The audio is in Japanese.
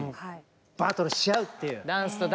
バトルし合うっていう。